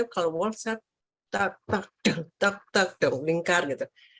kalau walsnya tak tak tak tak tak lingkar gitu